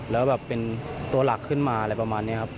แล้วแบบเป็นตัวหลักขึ้นมาอะไรประมาณนี้ครับ